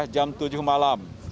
jam tujuh malam